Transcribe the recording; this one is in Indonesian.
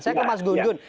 saya ke mas gun gun